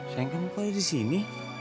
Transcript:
sayang kan kok ada disini